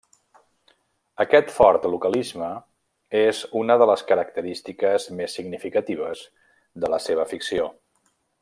Aquest fort localisme és una de les característiques més significatives de la seva ficció.